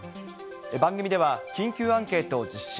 番組では、緊急アンケートを実施。